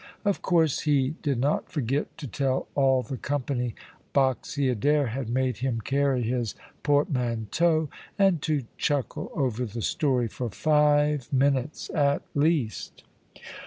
Of course, he did not forget to tell all the company boxy Adair had made him carry his portmanteau, and to chuckle over the story for five minutes at least.